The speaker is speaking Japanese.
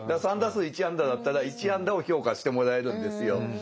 ３打数１安打だったら１安打を評価してもらえるんですよ。